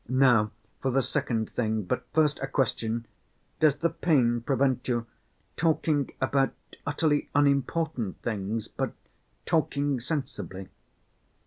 Now for the second thing, but first a question: does the pain prevent you talking about utterly unimportant things, but talking sensibly?"